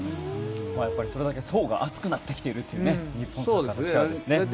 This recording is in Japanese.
それだけ層が厚くなってきているという日本チームの力ですね。